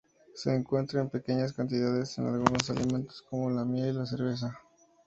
Se encuentra en pequeñas cantidades en algunos alimentos como la miel y la cerveza.